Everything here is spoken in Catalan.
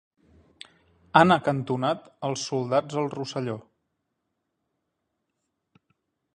Han acantonat els soldats al Rosselló.